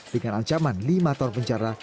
dengan ancaman lima tahun penjara